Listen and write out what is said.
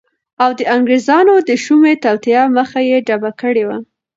او د انګریزانو د شومی توطیه مخه یی ډبه کړی وه